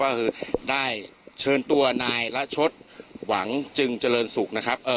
ก็คือได้เชิญตัวนายละชดหวังจึงเจริญศุกร์นะครับ